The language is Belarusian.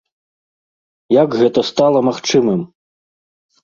Як гэта стала магчымым?